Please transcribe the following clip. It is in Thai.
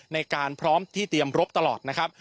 ในการพร้อมที่เตรียมรบตลอดนะครับ